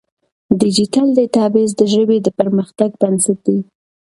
ډیجیټل ډیټابیس د ژبې د پرمختګ بنسټ دی.